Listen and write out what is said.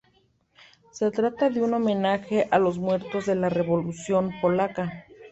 Se trata de un homenaje a los muertos en la revolución polaca.